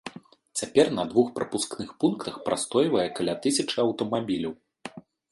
Цяпер на двух прапускных пунктах прастойвае каля тысячы аўтамабіляў.